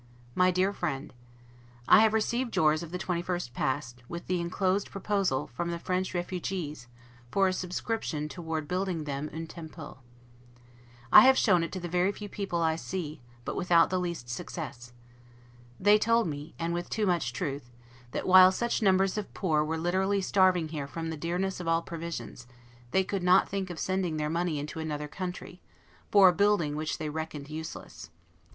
MY DEAR FRIEND: I have received yours of the 21st past, with the inclosed proposal from the French 'refugies, for a subscription toward building them 'un temple'. I have shown it to the very few people I see, but without the least success. They told me (and with too much truth) that while such numbers of poor were literally starving here from the dearness of all provisions, they could not think of sending their money into another country, for a building which they reckoned useless.